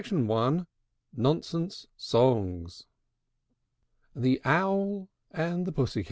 2 "" No. 3 NONSENSE SONGS. THE OWL AND THE PUSSY CAT.